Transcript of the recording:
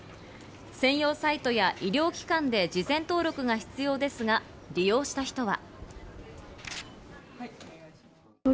専用サイトや医療機関で事前登録が必要ですが、利用した人は。